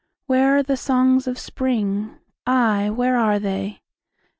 Where are the songs of Spring? Ay, where are they?